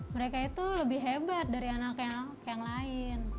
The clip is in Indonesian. mereka itu lebih hebat dari anak yang lain